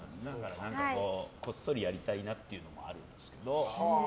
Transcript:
こっそりやりたいなっていうのはあるんですけど。